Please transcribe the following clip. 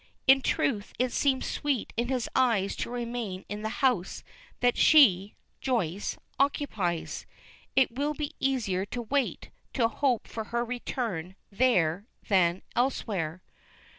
In truth, it seems sweet in his eyes to remain in the house that she (Joyce) occupies; it will be easier to wait, to hope for her return there than elsewhere.